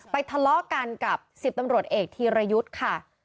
ทะเลาะกันกับ๑๐ตำรวจเอกธีรยุทธ์ค่ะ